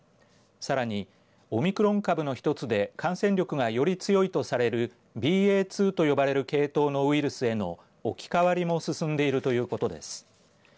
さらに、オミクロン株の一つで感染力がより強いとされるＢＡ．２と呼ばれる系統のウイルスへの置き換わりも進んでいるということです。